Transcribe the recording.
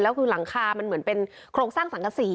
แล้วคือหลังคามันเหมือนเป็นโครงสร้างสังกษี